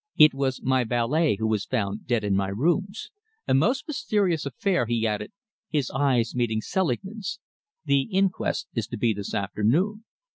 It was my valet who was found dead in my rooms a most mysterious affair," he added, his eyes meeting Selingman's. "The inquest is to be this afternoon."